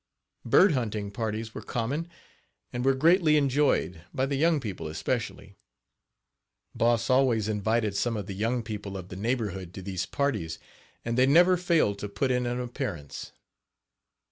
Bird hunting parties were common and were greatly enjoyed, by the young people especially. Boss always invited some of the young people of the Page 19 neighborhood to these parties and they never failed to put in an appearance.